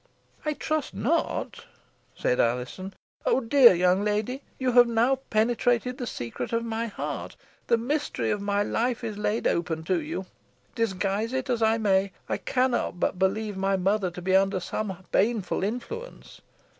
"I trust not," said Alizon. "Oh! dear young lady, you have now penetrated the secret of my heart. The mystery of my life is laid open to you. Disguise it as I may, I cannot but believe my mother to be under some baneful influence.